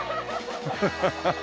ハハハハ！